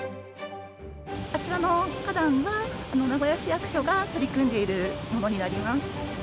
あちらの花壇は、名古屋市役所が取り組んでいるものになります。